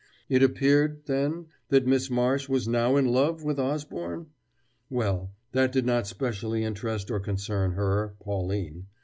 It appeared, then, that Miss Marsh was now in love with Osborne? Well, that did not specially interest or concern her, Pauline.